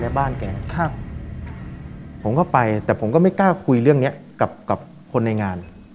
บ้านแกครับผมก็ไปแต่ผมก็ไม่กล้าคุยเรื่องเนี้ยกับกับคนในงาน